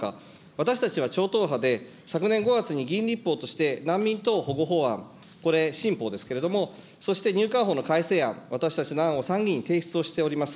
私たちは超党派で昨年５月に議員立法として難民等保護法案、これ、新法ですけれども、そして入管法の改正案、私たちの案を参議院に提出しております。